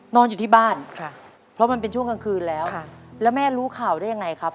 นอนอยู่ที่บ้านค่ะเพราะมันเป็นช่วงกลางคืนแล้วแล้วแม่รู้ข่าวได้ยังไงครับ